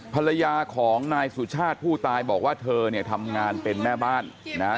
ภรรยาของนายสุชาติผู้ตายบอกว่าเธอเนี่ยทำงานเป็นแม่บ้านนะฮะ